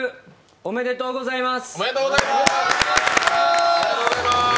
おめでとうございます！